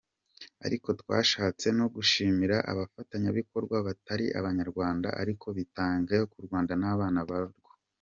Ariko twashatse no gushimira abafatanyabikorwa batari Abanyarwanda ariko bitangiye u Rwanda n’abana barwo.